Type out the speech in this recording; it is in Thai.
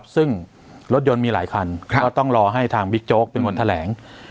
ซึ่งรถยนต์มีหลายคันก็ต้องรอให้ทางบิ๊กโจ๊กเป็นคนแถลง